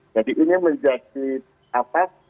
jadi ini menjadi apa